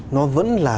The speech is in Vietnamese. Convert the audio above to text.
nó vẫn là